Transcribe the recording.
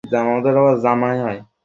এটা আমার best birthday.